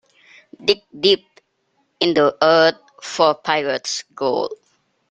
Dig deep in the earth for pirate's gold.